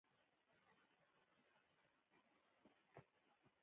بادي انرژي د افغان تاریخ په ټولو کتابونو کې ذکر شوې.